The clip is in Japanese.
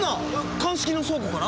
鑑識の倉庫から？